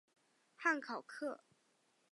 汉考克。